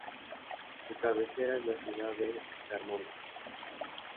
Su cabecera es la ciudad de Carmona.